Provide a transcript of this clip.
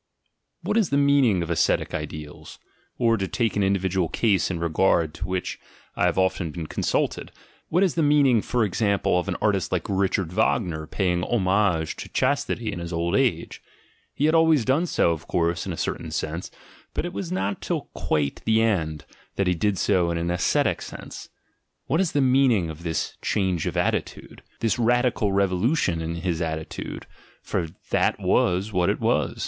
What is the meaning of ascetic ideals? Or, to take an individual case in regard to which I have often been con sulted, what is the meaning, for example, of an artist like Richard Wagner paying homage to chastity in his old age? He had always done so, of course, in a certain sense, but it was not till quite the end, that he did so in an ascetic sense. What is the meaning of this "change of at titude," this radical revolution in his attitude — for that was what it was?